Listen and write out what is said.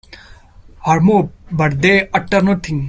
Her move, but they utter nothing.